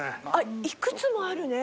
いくつもあるね。